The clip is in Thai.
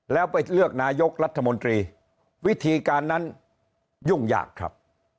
แล้วไปเลือกนายกรัฐมนตรีวิธีการนั้นยุ่งยากครับ